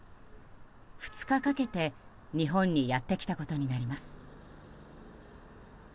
２日かけて日本にやってきたことになります。